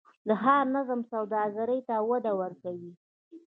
د ښار نظم سوداګرۍ ته وده ورکوي؟